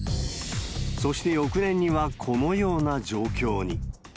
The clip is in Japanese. そして翌年にはこのような状況に。